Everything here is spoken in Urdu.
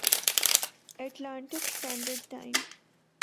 Atlantic Standard time